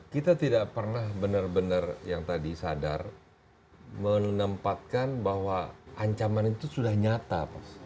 kita tidak pernah benar benar yang tadi sadar menempatkan bahwa ancaman itu sudah nyata